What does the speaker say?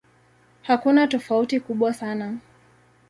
Hakuna tofauti kubwa sana.